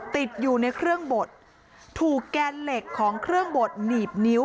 ติดอยู่ในเครื่องบดถูกแกนเหล็กของเครื่องบดหนีบนิ้ว